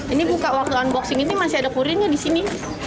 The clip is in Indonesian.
ini buka waktu unboxing ini masih ada kurirnya di sini